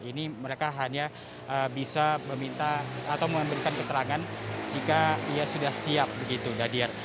ini mereka hanya bisa meminta atau memberikan keterangan jika ia sudah siap begitu daniar